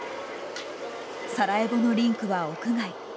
サラエボのリンクは屋外。